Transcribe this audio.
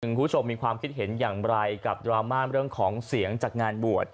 คุณผู้ชมมีความคิดเห็นอย่างไรกับดราม่าเรื่องของเสียงจากงานบวช